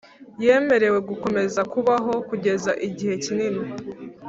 Yemerewe gukomeza kubaho kugeza igihe kinini